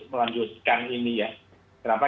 melanjutkan ini ya kenapa